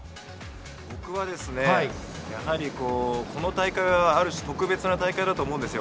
僕は、やはりこの大会はある種、特別な大会だと思うんですよ。